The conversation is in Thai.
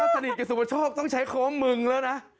ถ้าสนิทกับสุปชอบต้องใช้โค้งมึงแล้วนะ